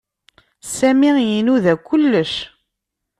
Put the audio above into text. Sami inuda kullec.